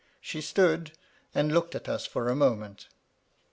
She stood, and looked at us for a moment.